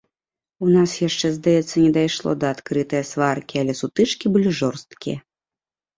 У нас яшчэ, здаецца, не дайшло да адкрытае сваркі, але сутычкі былі жорсткія.